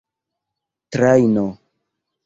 trajno